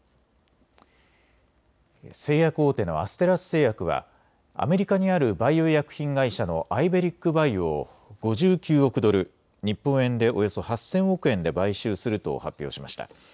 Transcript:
製薬大手のアステラス製薬はアメリカにあるバイオ医薬品会社のアイベリック・バイオを５９億ドル、日本円でおよそ８０００億円で買収すると発表しました。